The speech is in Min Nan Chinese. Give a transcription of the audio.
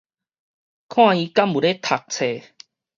看伊敢有咧讀冊